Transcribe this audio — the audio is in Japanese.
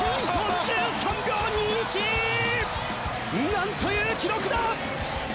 なんという記録だ！